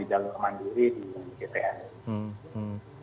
jalur mandiri di kpn